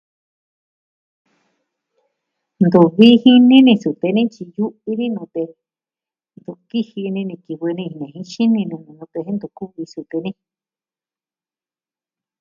Ntu vi jini ni sute ni tyi yu'vi nute. Ntu kijini ni kivɨ nini jin xini nuu nute jen ntu kuvi sute ni.